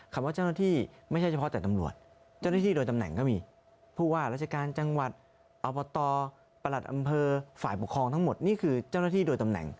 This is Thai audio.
ว่าเจ้าหน้าที่ไม่ใช่เฉพาะแต่ตำรวจเจ้าหน้าที่โดยตำแหน่งก็มีผู้ว่าราชการจังหวัดอบตประหลัดอำเภอฝ่ายปกครองทั้งหมดนี่คือเจ้าหน้าที่โดยตำแหน่ง